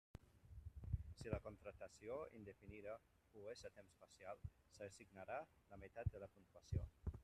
Si la contractació indefinida ho és a temps parcial, s'assignarà la meitat de la puntuació.